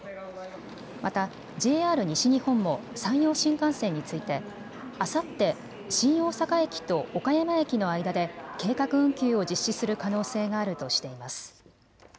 またＪＲ西日本も山陽新幹線についてあさって新大阪駅と岡山駅の間で計画運休を実施する可能性があるとしています。